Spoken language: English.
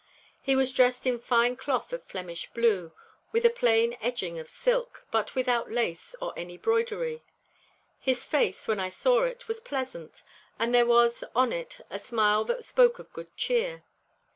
He was dressed in fine cloth of Flemish blue, with a plain edging of silk, but without lace or any broidery. His face, when I saw it, was pleasant, and there was on it a smile that spoke of good cheer.